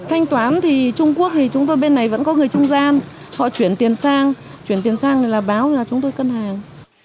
thanh toán thì trung quốc thì chúng tôi bên này vẫn có người trung gian họ chuyển tiền sang chuyển tiền sang thì là báo là chúng tôi cân hàng